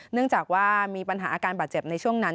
เนื่องจากว่ามีปัญหาอาการบาดเจ็บในช่วงนั้น